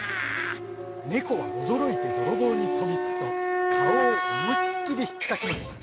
ネコはおどろいてどろぼうにとびつくとかおをおもいっきりひっかきました。